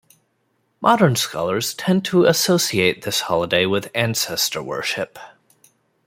Modern scholars tend to associate this holiday with ancestor worship.